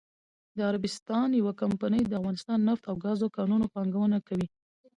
عربستان یوه کمپنی دافغانستان نفت او ګازو په کانونو پانګونه کوي.😱